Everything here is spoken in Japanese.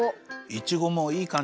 いちごもいいかんじだね